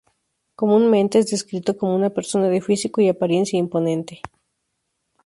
Comúnmente es descrito como una persona de físico y apariencia imponente.